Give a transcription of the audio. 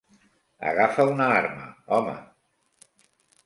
Agafa una arma, home.